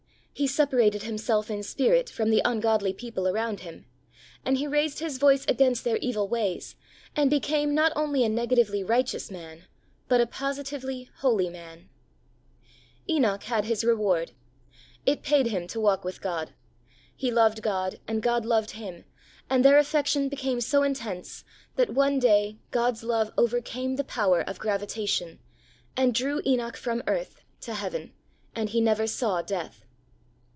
He separated himself in spirit from the ungodly people about him, and he raised his voice against their evil ways, and became not only a negatively righteous man, but a positively holy man. 40 HEART TALKS ON HOLINESS. Enoch had his reward. It paid him to walk with God. He loved God and God loved him, and their affection became so intense that one day God's love overcame the power of gravitation, and drew Enoch from earth to heaven and he never saw death.